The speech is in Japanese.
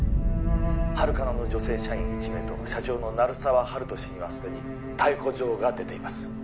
ハルカナの女性社員１名と社長の鳴沢温人氏にはすでに逮捕状が出ています